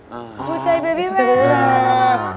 ชูใจเบบีแวร์